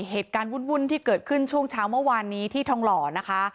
เหตุการณ์วุ่นที่เกิดขึ้นช่วงเช้าเมื่อวานนี้ที่ทองหล่อนะคะ